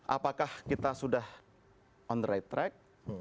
apakah kita sudah on the right track